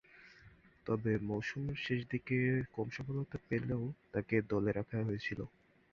তবে, মৌসুমের শেষদিকে কম সফলতা পেলেও তাকে দলে রাখা হয়েছিল।